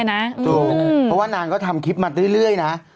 เพราะว่านางก็ทำคลิปมาเรื่อยนะ